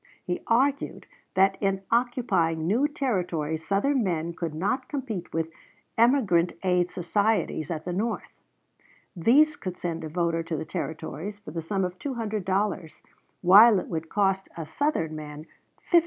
He argued that in occupying new Territories Southern men could not compete with emigrant aid societies at the North. These could send a voter to the Territories for the sum of $200, while it would cost a Southern man $1500.